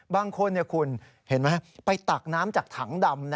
บางคนคุณเห็นไหมไปตักน้ำจากถังดำ